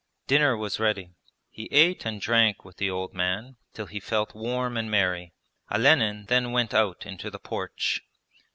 Dinner was ready. He ate and drank with the old man till he felt warm and merry. Olenin then went out into the porch.